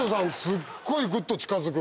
すっごいグッと近づく。